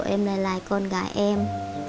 em lấy lại con gái em